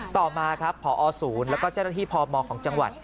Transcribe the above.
ต่อมาครับพอศูนย์แล้วก็เจ้าหน้าที่พมของจังหวัด